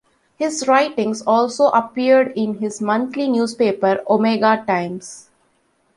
His writings also appeared in his monthly newspaper "Omega Times".